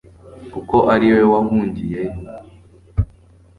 kuko ari we wahungiyeho